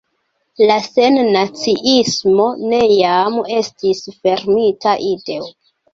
La sennaciismo neniam estis fermita ideo.